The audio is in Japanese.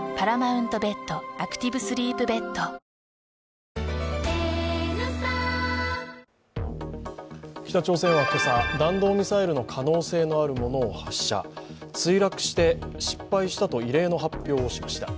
これから台風が接近するエリアに北朝鮮はけさ弾道ミサイルの可能性のあるものを発射墜落して失敗したと異例の発表をしました。